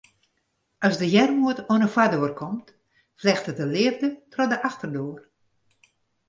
As de earmoed oan 'e foardoar komt, flechtet de leafde troch de efterdoar.